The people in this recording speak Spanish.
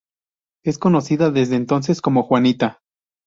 Es conocida, desde entonces, como "Juanita".